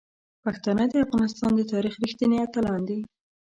پښتانه د افغانستان د تاریخ رښتیني اتلان دي.